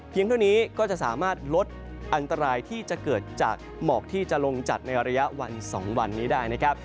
เท่านี้ก็จะสามารถลดอันตรายที่จะเกิดจากหมอกที่จะลงจัดในระยะวัน๒วันนี้ได้นะครับ